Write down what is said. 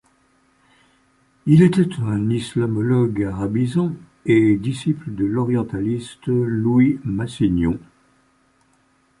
Il était un islamologue arabisant et disciple de l'orientaliste Louis Massignon.